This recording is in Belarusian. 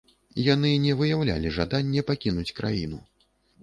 Яны не выяўлялі жаданне пакінуць краіну.